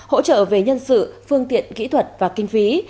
hỗ trợ về nhân sự phương tiện kỹ thuật và kinh phí